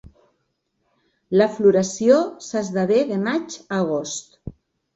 La floració s'esdevé de maig a agost.